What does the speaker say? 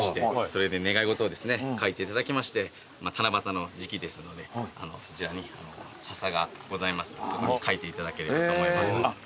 それで願い事を書いていただきまして七夕の時期ですのでそちらにササがございますのでそこに書いていただければと思います。